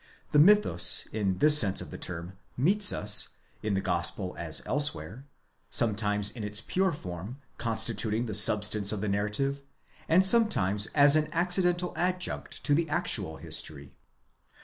The mythus in this sense of the term meets us, in the Gospel as elsewhere, sometimes in its pure form, constituting the substance of the narrative, and sometimes as an accidental adjunct to the actual history.